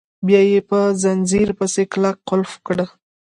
بیا یې په ځنځیر پسې کلک قلف کړه.